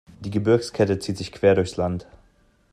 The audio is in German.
Die Gebirgskette zieht sich quer durchs Land.